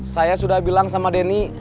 saya sudah bilang sama denny